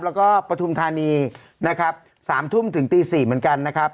แล้วก็ปฐุมธานีนะครับ๓ทุ่มถึงตี๔เหมือนกันนะครับ